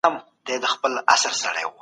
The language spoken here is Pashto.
ولسي جرګه به د نوي بوديجې پر سر ناندرۍ وهي.